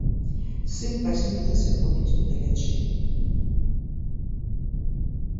Сын па снезе сыходзіць у далячынь.